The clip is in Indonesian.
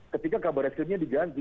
ketika kabar resimnya diganti